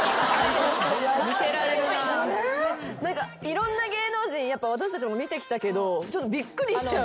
いろんな芸能人やっぱ私たちも見てきたけどびっくりしちゃう。